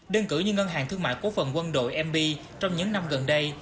đơn cử như ngân hàng thương mại cố phần quân đội mb trong những năm gần đây